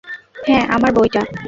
হ্যাঁ, আমার বইটা।